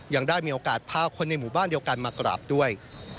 ยังได้มีโอกาสพาคนในหมู่บ้านเดียวกันมากราบด้วย